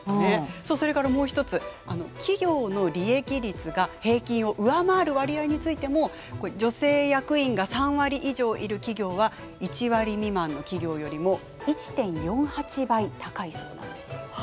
それからもう一つ企業の利益率が平均を上回る割合についても女性役員が３割以上いる企業は１割未満の企業よりも１．４８倍高いそうなんですよ。